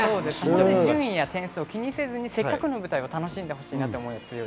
順位や点数を気にせず、せっかくの舞台を楽しんでほしいなと思います。